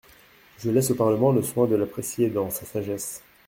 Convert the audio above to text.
Je laisse au Parlement le soin de l’apprécier, dans sa sagesse.